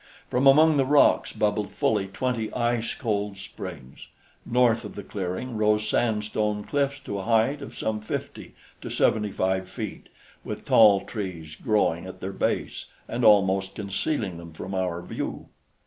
From among the rocks bubbled fully twenty ice cold springs. North of the clearing rose sandstone cliffs to a height of some fifty to seventy five feet, with tall trees growing at their base and almost concealing them from our view.